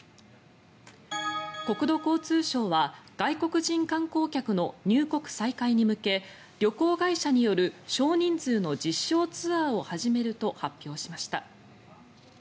国土交通省は外国人観光客の入国再開に向け旅行会社による少人数の実証ツアーを始めると発表しました。